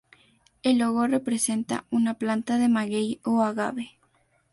El logo representa una planta de maguey o agave.